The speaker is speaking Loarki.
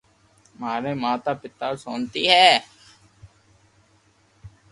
ماري مات ارو نوم سونتي ھي